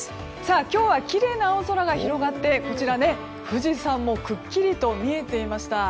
今日はきれいな青空が広がって富士山もくっきりと見えていました。